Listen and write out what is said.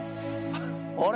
あれ？